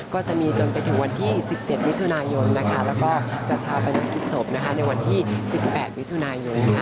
ก็จะมีจนไปถึงวันที่๑๗วิทยุแล้วก็จะชาวประยะศิษฐ์ศพในวันที่๑๘วิทยุ